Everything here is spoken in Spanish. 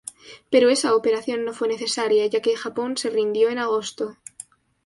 Pero esa operación no fue necesaria ya que Japón se rindió en agosto.